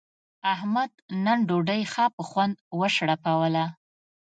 احمد نن ډوډۍ ښه په خوند و شړپوله.